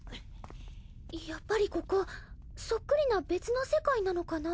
やっぱりここそっくりな別の世界なのかな？